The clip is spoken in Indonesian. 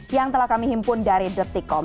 yang telah kami himpun dari detik com